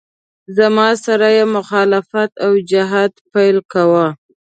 زما سره یې مخالفت او جهاد پیل کاوه.